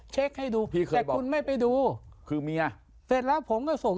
ให้ดูแต่คุณไม่ไปดูคือเมียเสร็จแล้วผมก็ส่ง